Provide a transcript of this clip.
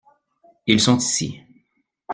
Ils sont ici.